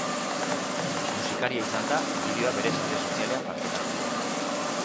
Musikaria izan da bideoa bere sare sozialean partekatu duena.